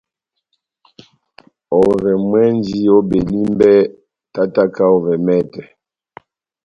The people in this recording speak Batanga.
Ovɛ mwɛ́nji ó Belimbè, tátáka ovɛ mɛtɛ,